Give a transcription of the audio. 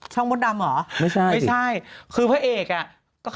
มดดำเหรอไม่ใช่ไม่ใช่คือพระเอกอ่ะ